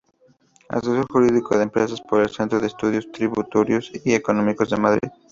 Asesor jurídico de empresas, por el Centro de Estudios Tributarios y Económicos de Madrid.